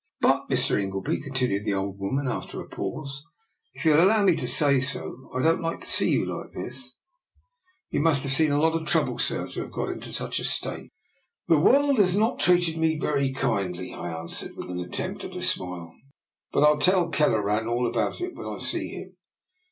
" But, Mr. Ingleby," continued the old woman after a pause, " if you'll allow me to say so, I don't like to see you like this. You 34 DR. NIKOLA'S EXPERIMENT. must have seen a lot of trouble, sir, to have got in such a state." " The world has not treated me very kind ly," I answered, with an attempt at a smile, "but I'll tell Kelleran all about it when I. see him.